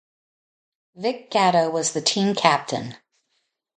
Vic Gatto was the team captain.